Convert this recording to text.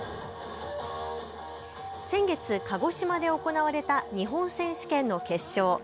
先月、鹿児島で行われた日本選手権の決勝。